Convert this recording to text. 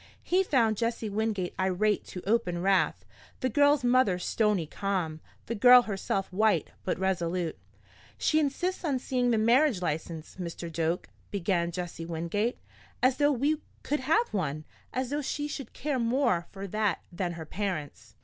He found Jesse Wingate irate to open wrath, the girl's mother stony calm, the girl herself white but resolute. "She insists on seeing the marriage license, Mr. Doak," began Jesse Wingate. "As though we could have one! As though she should care more for that than her parents!"